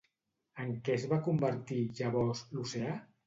En què es va convertir, llavors, l'oceà?